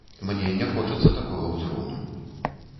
Мне не хочацца такога ўзроўню.